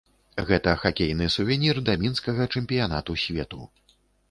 Гэта хакейны сувенір да мінскага чэмпіянату свету.